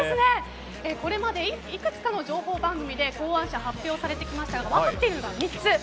これまでいくつかの情報番組で考案者、発表されてきましたが分かっているのが３つ。